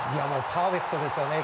パーフェクトですよね。